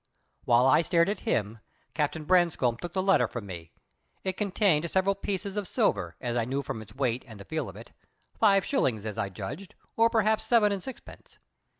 While I stared at him Captain Branscome took the letter from me. It contained some pieces of silver, as I knew from its weight and the feel of it five shillings, as I judged, or perhaps seven and sixpence.